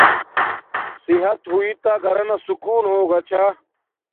صحت ہوݵݵ تا گھرانا سکون ہوگا چھا